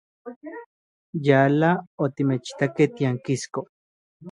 Yala otimechitakej tiankisko.